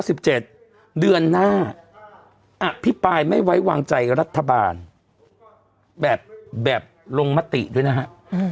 สิบเจ็ดเดือนหน้าอภิปรายไม่ไว้วางใจรัฐบาลแบบแบบลงมติด้วยนะฮะอืม